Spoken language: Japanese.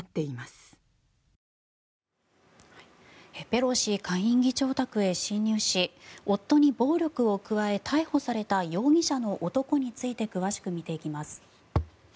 ペロシ下院議長宅へ侵入し夫に暴力を加え逮捕された容疑者の男について詳しく見ていきます。